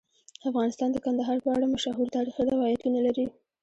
افغانستان د کندهار په اړه مشهور تاریخی روایتونه لري.